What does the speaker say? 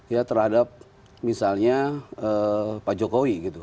ya terhadap misalnya pak jokowi gitu